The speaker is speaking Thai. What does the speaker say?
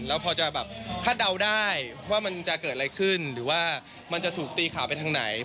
แล้วพอจะแบบคาดเดาได้ว่ามันจะเกิดอะไรขึ้นหรือว่ามันจะถูกตีข่าวไปทางไหน